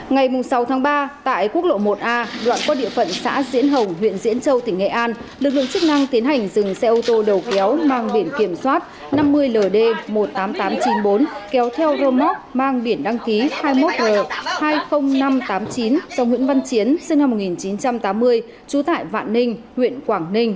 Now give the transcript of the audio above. ngày sáu tháng ba tại quốc lộ một a đoạn qua địa phận xã diễn hồng huyện diễn châu tỉnh nghệ an lực lượng chức năng tiến hành dừng xe ô tô đầu kéo mang biển kiểm soát năm mươi ld một mươi tám nghìn tám trăm chín mươi bốn kéo theo rô móc mang biển đăng ký hai mươi một l hai mươi nghìn năm trăm tám mươi chín trong huyện văn chiến sinh năm một nghìn chín trăm tám mươi trú tại vạn ninh huyện quảng ninh